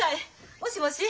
もしもし？